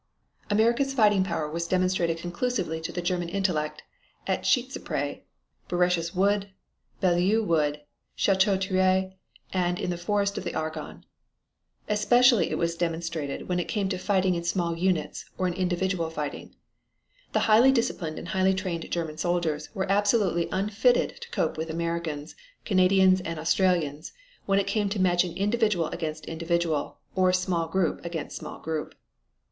America's fighting power was demonstrated conclusively to the Germanic intellect at Seicheprey, Bouresches Wood, Belleau Wood, Chateau Thierry, and in the Forest of the Argonne. Especially was it demonstrated when it came to fighting in small units, or in individual fighting. The highly disciplined and highly trained German soldiers were absolutely unfitted to cope with Americans, Canadians and Australians when it came to matching individual against individual, or small group against small group.